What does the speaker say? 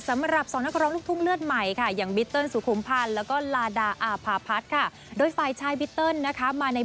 สำหรับสองนักกะกะลุ่มลูกทุ่งเลือดใหม่ค่ะ